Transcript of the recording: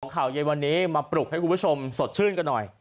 ข่าวเย็นวันนี้มาปลุกให้คุณผู้ชมสดชื่นกันหน่อย